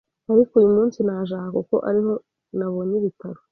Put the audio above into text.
ariko uyu munsi naje aha kuko ariho nabonye ibitaro